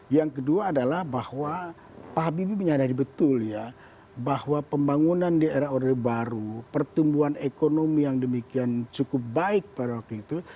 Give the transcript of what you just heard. yang kedua adalah bahwa pak habibie menyadari betul ya bahwa pembangunan di era order baru pertumbuhan ekonomi yang demikian cukup baik pada waktu itu